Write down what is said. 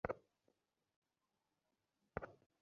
আল্লাহ্ বিপর্যয় সৃষ্টিকারীকে ভালবাসেন না।